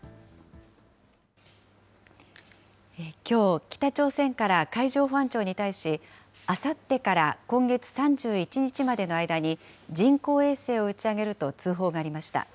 きょう、北朝鮮から海上保安庁に対し、あさってから今月３１日までの間に人工衛星を打ち上げると通報がありました。